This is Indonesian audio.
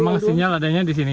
memang sinyal adanya di sini